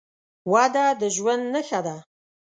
وده د ژوند نښه ده.